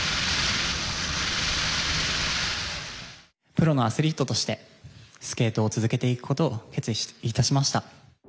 プロのアスリートとしてスケートを続けていくことを決意いたしました。